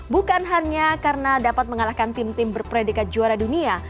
bukan hanya karena dapat mengalahkan tim tim berpredikat juara dunia